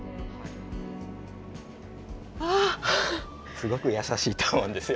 すごくやさしいと思うんですよ。